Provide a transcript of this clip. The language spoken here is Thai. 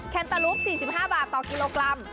แนตาลูป๔๕บาทต่อกิโลกรัม